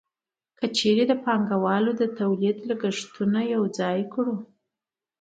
که چېرې د پانګوال د تولید لګښتونه یوځای کړو